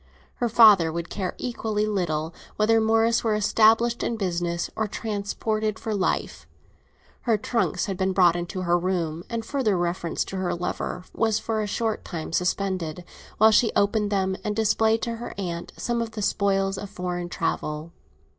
Her father would care equally little whether Morris were established in business or transported for life. Her trunks had been brought into her room, and further reference to her lover was for a short time suspended, while she opened them and displayed to her aunt some of the spoils of foreign travel.